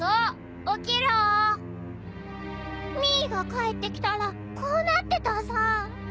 ミーが帰ってきたらこうなってたさ。